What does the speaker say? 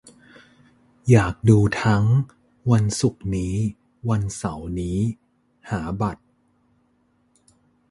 อยากดูทั้ง วันศุกร์นี้ วันเสาร์นี้ หาบัตร